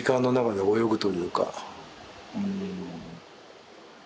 うん。